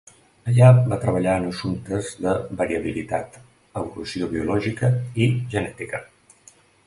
Allà va treballar en assumptes de variabilitat, evolució biològica, i genètica.